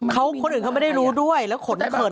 เขาคนอื่นเขาไม่ได้รู้ด้วยแล้วขนเขิน